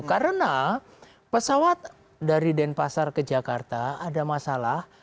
karena pesawat dari denpasar ke jakarta ada masalah